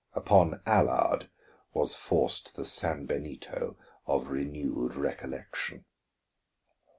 Upon Allard was forced the San Benito of renewed recollection.